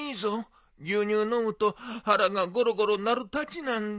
牛乳飲むと腹がゴロゴロ鳴るたちなんだ。